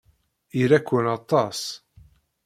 Ira-ken aṭas.